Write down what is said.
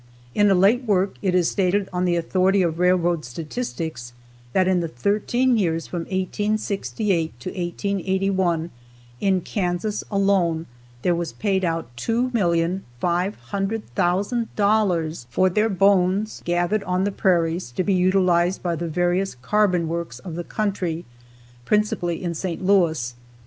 In a late work it is stated on the authority of railroad statistics that in the thirteen years from 1868 to 1881 "in Kansas alone there was paid out two millions five hundred thousand dollars for their bones gathered on the prairies to be utilized by the various carbon works of the country, principally in St. Louis.